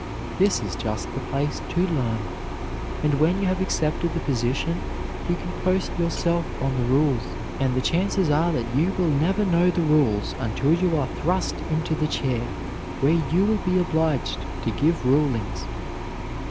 This is just the place to learn, and when you have accepted the position you can post yourself on the rules, and the chances are that you will never know the rules until you are thrust into the chair where you will be obliged to give rulings.